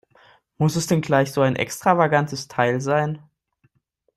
Muss es denn gleich so ein extravagantes Teil sein?